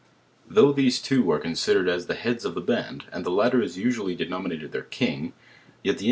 Though these two are considered as the heads of the band, and the latter is usually denominated their king, yet the In